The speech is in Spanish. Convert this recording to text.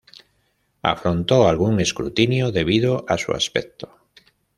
Afrontó algún escrutinio debido a su aspecto.